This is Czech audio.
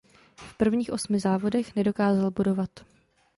V prvních osmi závodech nedokázal bodovat.